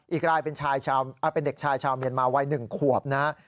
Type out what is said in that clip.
อีกรายเป็นเด็กชายชาวเมียนมาวัย๑ขวบนะฮะ